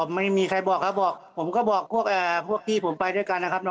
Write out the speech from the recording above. ไม่มีใครบอกครับบอกผมก็บอกพวกพี่ผมไปด้วยกันนะครับ